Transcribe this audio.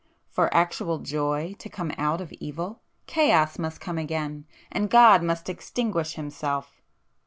For actual joy to come out of evil, Chaos must come again, and God must extinguish Himself."